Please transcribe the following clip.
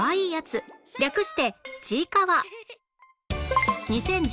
略して『ちいかわ』